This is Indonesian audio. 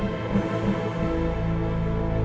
aku pengen goret awareness jaket dulu aku semua